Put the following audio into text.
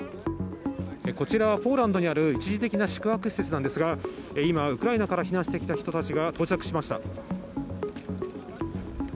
こちらはポーランドにある一時的な宿泊施設なんですが、今、ウクライナから避難してきた人たちが到着しました。